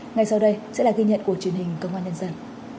ngay sau đây sẽ là ghi nhận của truyền hình công an nhân dân